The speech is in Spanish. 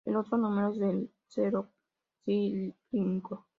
El otro número es el "cero cíclico".